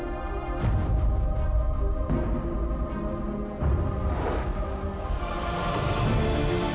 jangan bikin kamu miten mendzu english